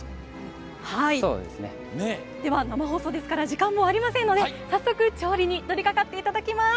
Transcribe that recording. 生放送ですから時間もありませんので早速、調理にとりかかっていただきます。